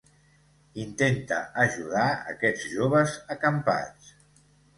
Intenta ajudar aquests joves acampats.